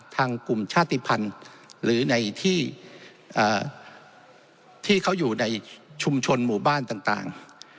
กลุ่มชาติภัณฑ์หรือในที่เขาอยู่ในชุมชนหมู่บ้านต่าง